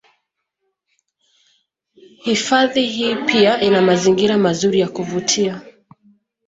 Hifadhi hii pia ina mazingira mazuri ya kuvutia